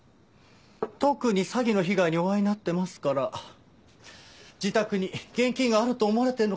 特に詐欺の被害にお遭いになってますから自宅に現金があると思われているのかもしれません。